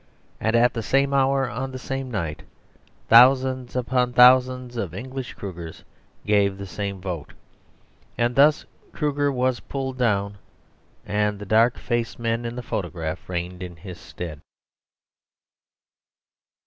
And at the same hour on the same night thousands upon thousands of English Krugers gave the same vote. And thus Kruger was pulled down and the dark faced men in the photograph reigned in his stead.